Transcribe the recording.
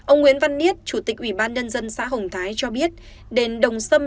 ông nguyễn văn niết chủ tịch ủy ban nhân dân xã hồng thái cho biết đền đồng xâm